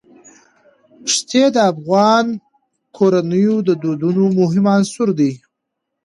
ښتې د افغان کورنیو د دودونو مهم عنصر دی.